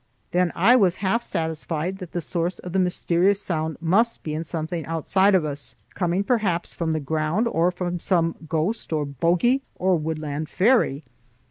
Then I was half satisfied that the source of the mysterious sound must be in something outside of us, coming perhaps from the ground or from some ghost or bogie or woodland fairy.